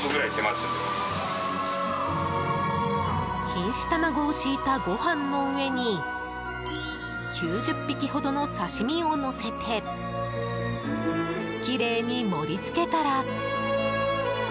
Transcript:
錦糸卵を敷いたご飯の上に９０匹ほどの刺し身をのせてきれいに盛り付けたら。